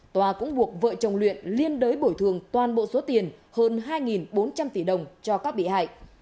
tòa cũng buộc vợ chồng luyện liên đới bồi thường toàn bộ số tiền hơn hai bốn trăm linh tỷ đồng cho các bị hại